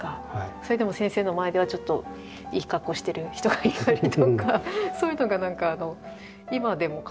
それでも先生の前ではちょっといい格好してる人がいたりとかそういうのがなんか今でも変わらないなぁって。